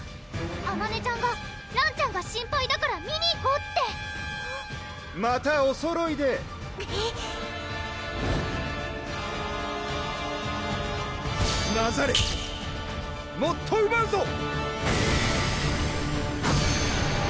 あまねちゃんがらんちゃんが心配だから見に行こうって・またおそろいで・まざれモットウバウゾー！